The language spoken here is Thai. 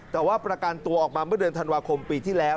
แต่ว่าประกันตัวออกมาเมื่อเดือนธันวาคมปีที่แล้ว